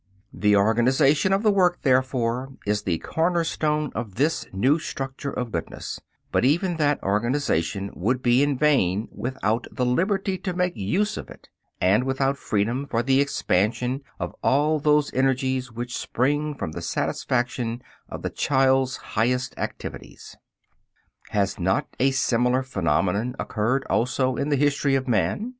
The organization of the work, therefore, is the corner stone of this new structure of goodness; but even that organization would be in vain without the liberty to make use of it, and without freedom for the expansion of all those energies which spring from the satisfaction of the child's highest activities. Has not a similar phenomenon occurred also in the history of man?